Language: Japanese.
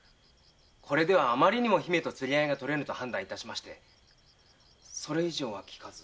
これでは余りにも姫と釣り合いがとれぬと判断致しましてそれ以上は聞かずに。